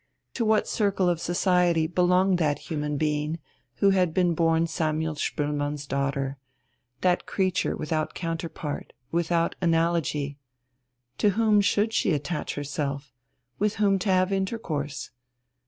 To what circle of society belonged that human being who had been born Samuel Spoelmann's daughter, that creature without counterpart, without analogy? To whom should she attach herself, with whom have intercourse?